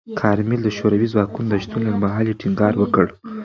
کارمل د شوروي ځواکونو د شتون د لنډمهالۍ ټینګار وکړ.